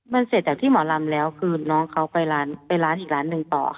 มันเสร็จจากที่หมอลำแล้วคือน้องเขาไปร้านไปร้านอีกร้านหนึ่งต่อค่ะ